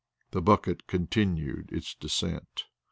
The bucket continued its descent.